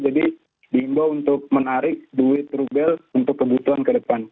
jadi dihimbau untuk menarik duit rubel untuk kebutuhan ke depan